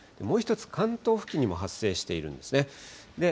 もう一つ関東付近にも発生しているんですね。